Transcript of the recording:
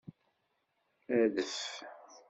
Adf!